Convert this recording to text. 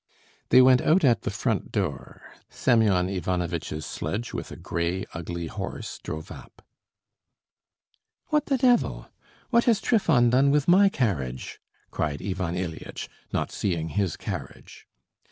They went out at the front door. Semyon Ivanovitch's sledge with a grey ugly horse drove up. "What the devil! What has Trifon done with my carriage?" cried Ivan Ilyitch, not seeing his carriage.